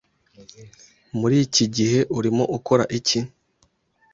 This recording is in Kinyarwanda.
Muri iki gihe urimo ukora iki?